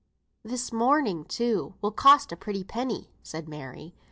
"This mourning, too, will cost a pretty penny," said Mary.